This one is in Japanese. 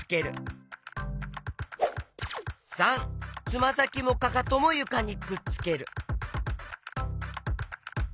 「つまさきもかかともゆかにくっつける」！